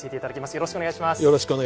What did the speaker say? よろしくお願いします。